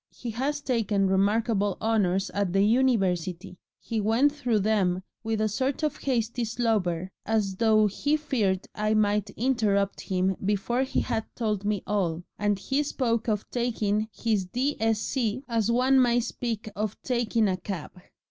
He has taken remarkable honours at the University he went through them with a sort of hasty slobber, as though he feared I might interrupt him before he had told me all and he spoke of taking his D.Sc. as one might speak of taking a cab.